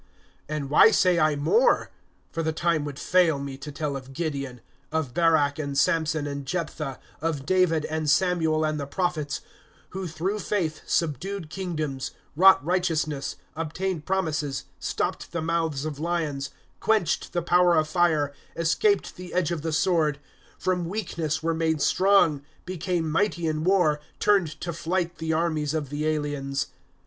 (32)And why say I more? For the time would fail me to tell of Gideon, of Barak and Samson and Jephthah, of David and Samuel and the prophets; (33)who through faith subdued kingdoms, wrought righteousness, obtained promises, stopped the mouths of lions, (34)quenched the power of fire, escaped the edge of the sword, from weakness were made strong, became mighty in war, turned to flight the armies of the aliens.